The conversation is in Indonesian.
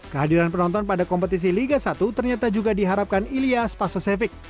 kehadiran penonton pada kompetisi liga satu ternyata juga diharapkan ilya spacevic